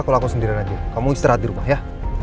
kalau aku sendirian aja kamu istirahat di rumah ya